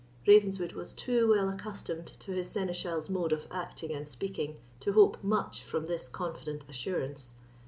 Ravenswood was too well accustomed to his seneschal's mode of acting and speaking to hope much from this confident assurance.